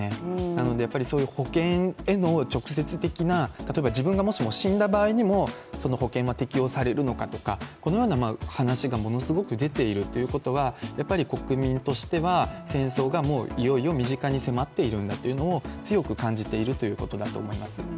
なので、そういう保険への直接的な、例えば自分がもしも死んだ場合にもその保険は適用されるのかとかこのような話がものすごく出ているということは国民としては戦争がいよいよ身近に迫っているんだというのを強く感じているということだと思います。